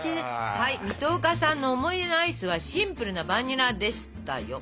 水戸岡さんの思い出のアイスはシンプルなバニラでしたよ。